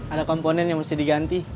ada komponen yang mesti diganti